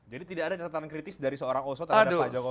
jadi tidak ada catatan kritis dari seorang oso terhadap pak jokowi